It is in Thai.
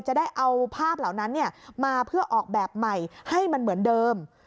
จะได้เอาภาพเหล่านั้นมาเพื่อออกแบบใหม่ให้มันเหมือนเดิม